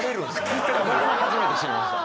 僕も初めて知りました。